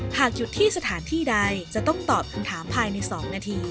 หากหยุดที่สถานที่ใดจะต้องตอบคำถามภายใน๒นาที